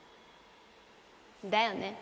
だよね。